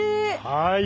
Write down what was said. はい。